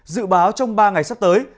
dự báo trong ba ngày sắp tới